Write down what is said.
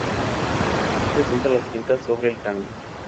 Allí presenta las tintas sobre el tango.